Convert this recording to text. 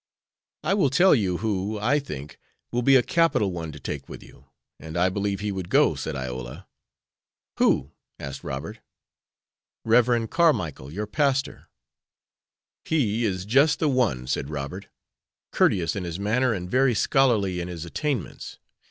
"I will tell you who, I think, will be a capital one to take with you, and I believe he would go," said Iola. "Who?" asked Robert. "Rev. Carmicle, your pastor." "He is just the one," said Robert, "courteous in his manner and very scholarly in his attainments.